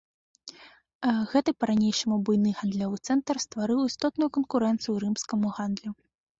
Гэты па-ранейшаму буйны гандлёвы цэнтр ствараў істотную канкурэнцыю рымскаму гандлю.